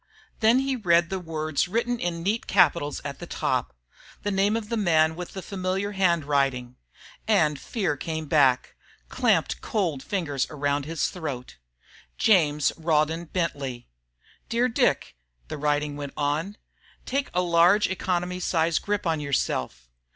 Then he read the words written in neat capitals at the top, the name of the man with the familiar handwriting, and fear came back, clamped cold fingers around his throat: James Rawdon Bentley Dear Dick, the writing went on, Take a large economy size grip on yourself.